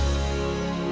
aku mau kasih anaknya